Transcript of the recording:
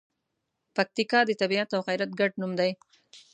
پکتیکا د طبیعت او غیرت ګډ نوم دی.